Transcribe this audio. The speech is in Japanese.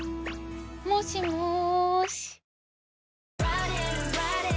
もしもし！